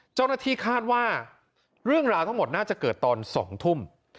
เจ้าหน้าที่คาดว่าเรื่องราวทั้งหมดน่าจะเกิดตอน๒ทุ่ม